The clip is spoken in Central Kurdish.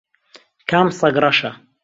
کام سەگ ڕەشە؟